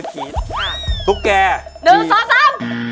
อ๋ออนึงสองสาม